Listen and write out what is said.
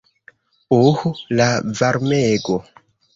Uh, la varmego!